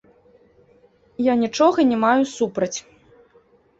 Я нічога не маю супраць.